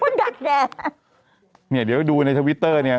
เนี่ยเดี๋ยวดูในทวิตเตอร์เนี่ย